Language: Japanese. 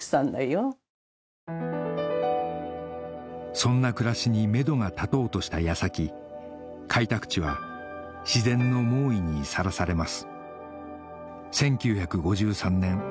そんな暮らしにめどが立とうとした矢先開拓地は自然の猛威にさらされます